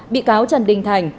bị cáo trần đình thành